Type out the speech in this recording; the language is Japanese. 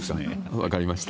分かりました。